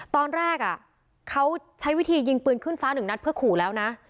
ตอนแรกเขาใช้วิธียิงปืนขึ้นฟ้าหนึ่งนัดเพื่อขู่แล้วนะ